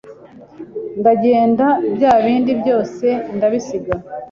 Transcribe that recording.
ndagenda bya bindi byose ndabisiga